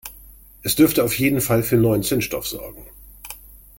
Es dürfte auf jeden Fall für neuen Zündstoff sorgen.